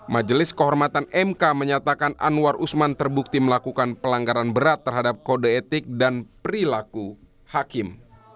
majelis kehormatan mk menyatakan anwar usman terbukti melakukan pelanggaran berat terhadap kode etik dan perilaku hakim